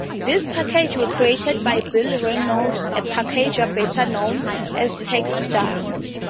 These packages were created by Bill Reynolds, a packager better known as "Texstar".